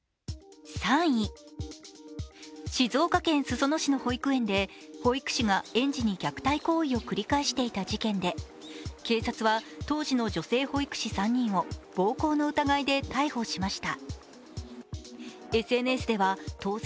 静岡県裾野市の保育園で保育士が園児に虐待行為を繰り返していた事件で警察は当時の女性保育士３人を暴行の疑いで逮捕しました。